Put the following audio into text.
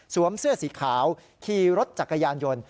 เสื้อสีขาวขี่รถจักรยานยนต์